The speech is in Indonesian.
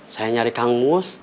saya nyari kang mus